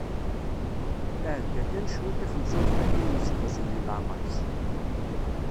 Tɛedda kan ciṭ i xemsa utlatin n yiseggasen di leɛmer-is.